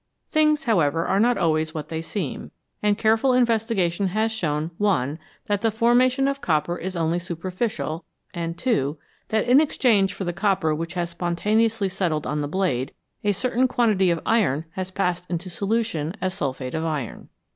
Things, how ever, are not always what they seem, and careful investiga tion has shown (1) that the formation of copper is only superficial, and (2) that in exchange for the copper which has spontaneously settled on the blade, a certain quantity of iron has passed into solution as sulphate of iron.